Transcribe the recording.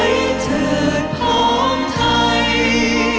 ไว้เถิดพร้อมไทย